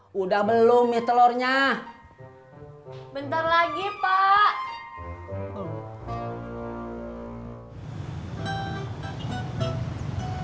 hai udah belum nih telurnya bentar lagi pak